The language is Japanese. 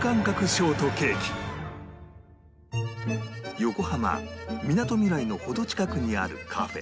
横浜みなとみらいの程近くにあるカフェ